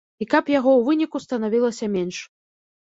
І каб яго ў выніку станавілася менш.